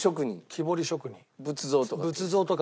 仏像とか？